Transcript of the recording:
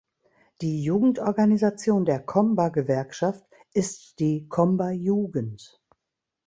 Die Jugendorganisation der komba gewerkschaft ist die "komba jugend.